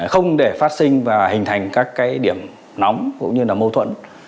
không để phát sinh và hình thành các điểm nóng cũng như là mâu thuẫn